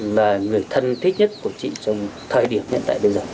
là người thân thích nhất của chị trong thời điểm hiện tại bây giờ